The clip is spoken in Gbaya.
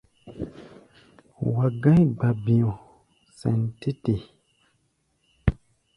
Wa gá̧í̧ gba-bi̧ɔ̧ sɛn tɛ́ te.